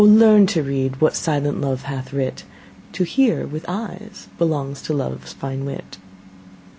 learn to read what silent love hath writ: To hear with eyes belongs to love's fine wit.